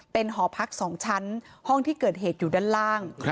เป็นหอพัก๒ชั้นห้องที่เกิดเหตุอยู่ด้านล่าง